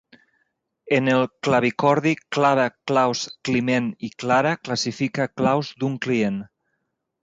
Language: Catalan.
En el clavicordi clava claus Climent i Clara classifica claus d'un client.